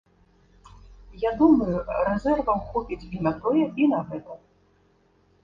Я думаю, рэзерваў хопіць і на тое, і на гэта.